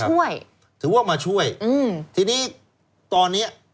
ช่วยถือว่ามาช่วยอืมทีนี้ตอนเนี้ย